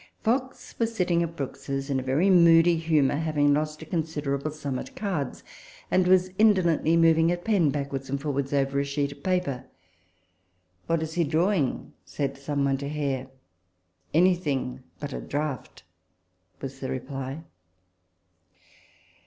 Fox was sitting at Brookes's, in a very moody humour, having lost a considerable sum at cards, and was indolently moving a pen backwards and forwards over a sheet of paper. " What is he draw ing ?" said some one to Hare. " Anything but a draft," was the reply.